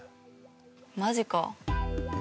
マジか。